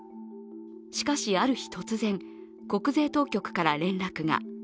しかし、ある日突然、国税当局から連絡が。